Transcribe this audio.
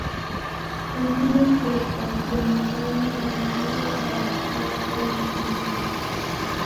El clima es fresco, de montaña y la nieve garantizada todos los inviernos.